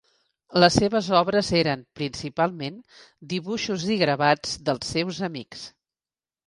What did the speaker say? Les seves obres eren principalment dibuixos i gravats dels seus amics.